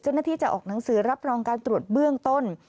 เจ้าหน้าที่จะออกหนังสือรับรองการตรวจเบื้องต้น